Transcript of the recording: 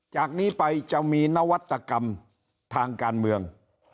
จากนี้ไปจะมีนวัตกรรมทางการเมือง